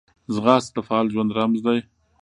ځغاسته د فعال ژوند رمز ده